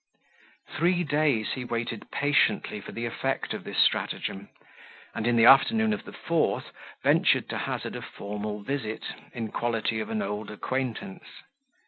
Three days he waited patiently for the effect of this stratagem, and, in the afternoon of the fourth, ventured to hazard a formal visit, in quality of an old acquaintance.